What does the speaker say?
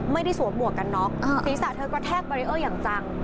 ไม่ได้สวดหมู่กันน็อกฮ่าฮือศีรษะเธอกระแทกอย่างจ่าง